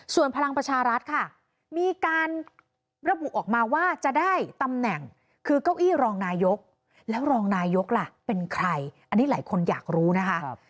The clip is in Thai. ส่วนพลังประชารัฐค่ะมีการระบุออกมาว่าจะได้ตำแหน่งคือเก้าอี้รองนายกแล้วรองนายกล่ะเป็นใครอันนี้หลายคนอยากรู้นะคะ